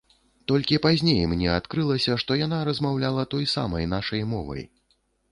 Толькі пазней мне адкрылася, што яна размаўляла той самай нашай мовай.